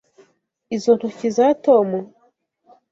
Izo ntoki za Tom?